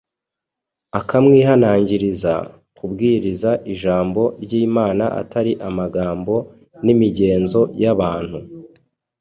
akamwihanangiriza kubwiriza ijambo ry’Imana atari amagambo n’imigenzo by’abantu